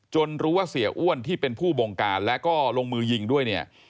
รู้ว่าเสียอ้วนที่เป็นผู้บงการแล้วก็ลงมือยิงด้วยเนี่ย